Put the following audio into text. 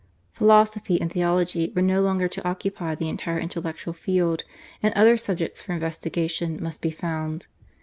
Philosophy and theology were no longer to occupy the entire intellectual field, and other subjects for investigation must be found.